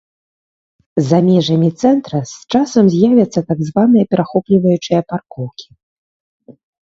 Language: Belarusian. За межамі цэнтра з часам з'явяцца так званыя перахопліваючыя паркоўкі.